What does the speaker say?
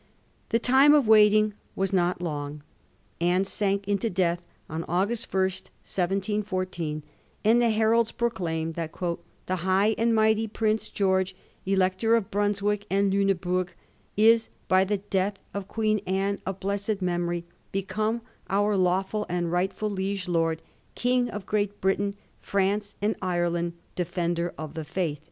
The time of waiting was not long ; Anne sank into death on August 1, 1714, and the heralds pro claimed that Hhe high and mighty Prince George, Elector of Brunswick and Liineburg, is, by the death of Queen Anne of blessed memory, become our lawful and rightful liege lord, King of Great Britain, France, and Ireland, Defender of the Faith.'